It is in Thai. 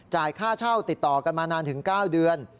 ค่าเช่าติดต่อกันมานานถึง๙เดือน